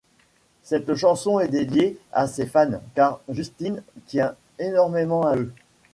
Cette chanson est dédiée à ses fans car Justin tient énormément à eux.